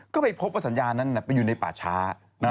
ก็ไปพบว่าสัญญานั้นไปอยู่ในป่าช้า